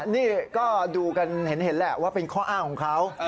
นี่ก็ดูกันเห็นแหละว่าเป็นข้ออ้างของเขา